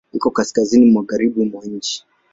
Iko kaskazini magharibi mwa nchi.